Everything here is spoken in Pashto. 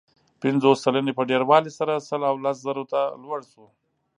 پنځوس سلنې په ډېروالي سره سل او لس زرو ته لوړ شو.